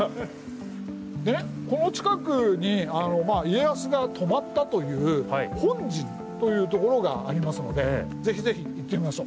この近くに家康が泊まったという「本陣」というところがありますので是非是非行ってみましょう。